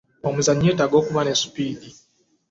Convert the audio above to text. Omuzannyi yetaaga okuba ne sipiidi.